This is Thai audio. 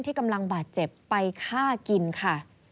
ที่กำลังบาดเจ็บไปฆ่ากินค่ะ